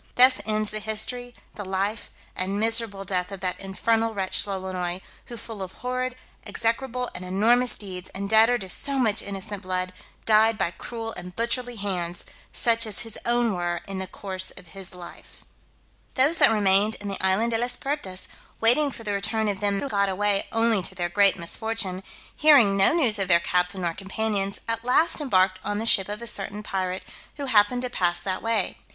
Thus ends the history, the life, and miserable death of that infernal wretch Lolonois, who full of horrid, execrable, and enormous deeds, and debtor to so much innocent blood, died by cruel and butcherly hands, such as his own were in the course of his life. Those that remained in the island De las Pertas, waiting for the return of them who got away only to their great misfortune, hearing no news of their captain nor companions, at last embarked on the ship of a certain pirate, who happened to pass that way.